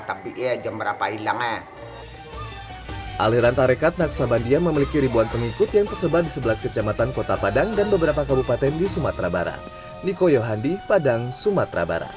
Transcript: aliran tarekat naksabandia memiliki ribuan pengikut yang tersebar di sebelas kecamatan kota padang dan beberapa kabupaten di sumatera barat